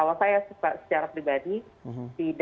bagaimana bu neti